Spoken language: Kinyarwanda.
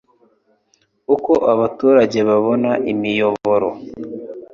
uko abaturage babona imiyoboro